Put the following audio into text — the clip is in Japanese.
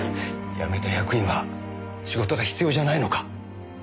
辞めた役員は仕事が必要じゃないのか？